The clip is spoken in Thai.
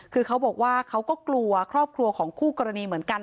คือเขาบอกว่าเขาก็กลัวครอบครัวของคู่กรณีเหมือนกัน